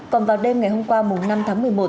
còn vào đêm ngày hôm qua năm tháng một mươi một